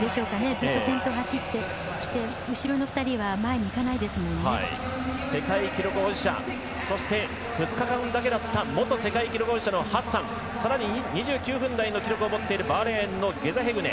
ずっと先頭を走ってきて後ろの２人は世界記録保持者のギデイそして２日間だけだった元世界記録保持者だったハッサン更に２９分台の記録を持っているバーレーンのゲザヘグネ。